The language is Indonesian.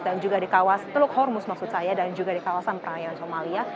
dan juga di kawasan teluk hormuz maksud saya dan juga di kawasan praian somalia